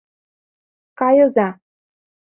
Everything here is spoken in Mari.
Кайыза!..